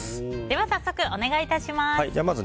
では早速お願いします。